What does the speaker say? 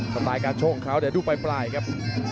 สไตล์การโชคของเขาเดี๋ยวดูปลายครับ